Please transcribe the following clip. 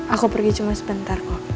aku pergi cuma sebentar kok